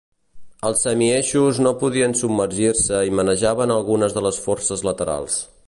Els semi-eixos no podien submergir-se i manejaven algunes de les forces laterals.